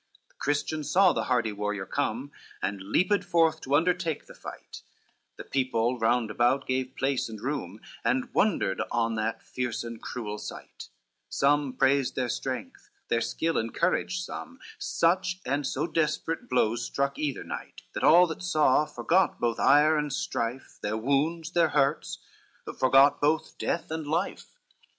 CXV The Christian saw the hardy warrior come, And leaped forth to undertake the fight, The people round about gave place and room, And wondered on that fierce and cruel sight, Some praised their strength, their skill and courage some, Such and so desperate blows struck either knight, That all that saw forgot both ire and strife, Their wounds, their hurts, forgot both death and life.